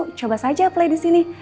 kalo mau coba saja play di sini